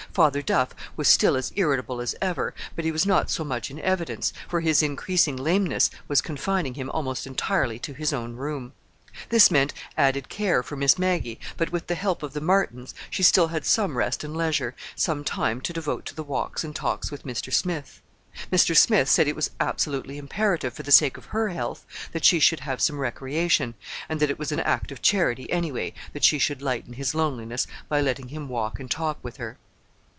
Father Duff was still as irritable as ever, but he was not so much in evidence, for his increasing lameness was confining him almost entirely to his own room. This meant added care for Miss Maggie, but, with the help of the Martins, she still had some rest and leisure, some time to devote to the walks and talks with Mr. Smith. Mr. Smith said it was absolutely imperative, for the sake of her health, that she should have some recreation, and that it was an act of charity, anyway, that she should lighten his loneliness by letting him walk and talk with her.